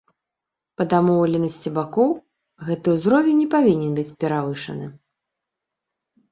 Па дамоўленасці бакоў, гэты ўзровень не павінен быць перавышаны.